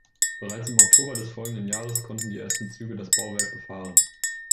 Bereits im Oktober des folgenden Jahres konnten die ersten Züge das Bauwerk befahren.